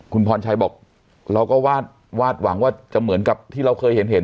คุณพรชัยบอกเราก็วาดหวังว่าจะเหมือนกับที่เราเคยเห็น